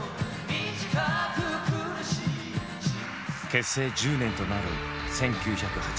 結成１０年となる１９８１年。